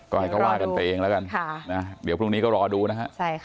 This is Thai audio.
ก็ให้เขาว่ากันไปเองแล้วกันเดี๋ยวพรุ่งนี้ก็รอดูนะฮะ